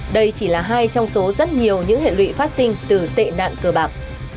đây chỉ là hai trong số rất nhiều những hệ lụy phát sinh từ tệ nạn cờ bạc